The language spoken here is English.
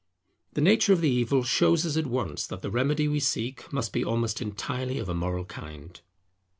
The nature of the evil shows us at once that the remedy we seek must be almost entirely of a moral kind.